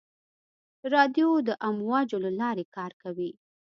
رادیو د امواجو له لارې کار کوي.